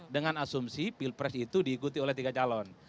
dengan asumsi pilpres itu diikuti oleh tiga calon